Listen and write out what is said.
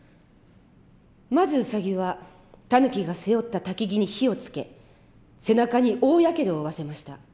まずウサギはタヌキが背負った薪に火をつけ背中に大やけどを負わせました。